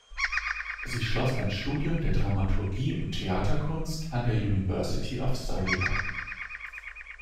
Sie schloss ein Studium der Dramaturgie und Theaterkunst an der University of Surrey ab.